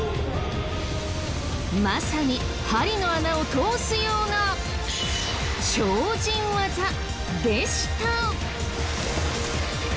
まさに針の穴を通すような鳥人ワザでした！